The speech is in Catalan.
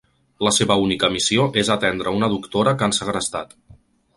La seva única missió és atendre una doctora que han segrestat.